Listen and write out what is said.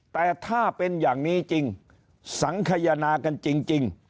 แต่ถ้าเป็นอย่างนี้จริงสังขยนากันจริง